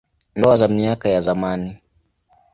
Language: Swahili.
Ndoa za miaka ya zamani.